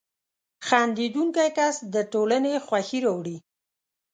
• خندېدونکی کس د ټولنې خوښي راوړي.